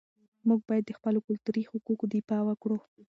موږ باید د خپلو کلتوري حقوقو دفاع وکړو.